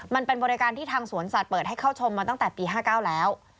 มันเป็นบริการที่ทางสวนสัตว์เปิดให้เข้าชมมาตั้งแต่ปี๕๙แล้ว